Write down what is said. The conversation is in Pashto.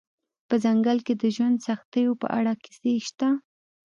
په ځنګل کې د ژوند سختیو په اړه کیسې شته